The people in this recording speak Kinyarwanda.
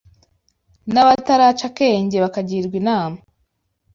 n’abataraca akenge bakagirwa inama